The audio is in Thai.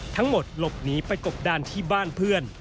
ทั้งหมดหลบหนีไปกบดานที่บ้านเพื่อน